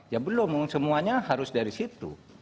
ya belum semuanya harus dari situ